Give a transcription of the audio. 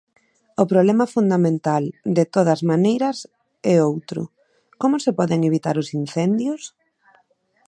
O problema fundamental de todas maneiras e outro, como se poden evitar os incendios?